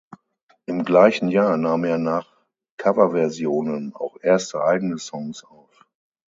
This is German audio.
Im gleichen Jahr nahm er nach Coverversionen auch erste eigene Songs auf.